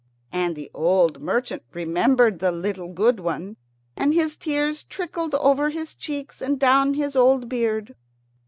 And the old merchant remembered the little good one, and his tears trickled over his cheeks and down his old beard.